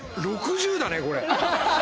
６０だねこれ。